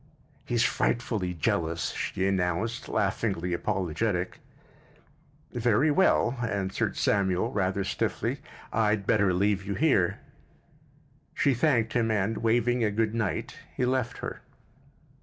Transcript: "He's frightfully jealous," she announced, laughingly apologetic. "Very well," answered Samuel, rather stiffly. "I'd better leave you here." She thanked him and, waving a good night, he left her.